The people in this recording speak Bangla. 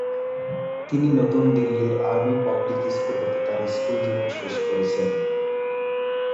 তিনি নতুন দিল্লির আর্মি পাবলিক স্কুল হতে তাঁর স্কুল জীবন শেষ করেছেন।